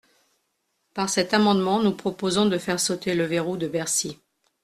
Par cet amendement, nous proposons de faire sauter le verrou de Bercy.